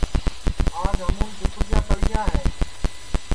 آج ہمُون دُپڑیاں تݪیاں ہے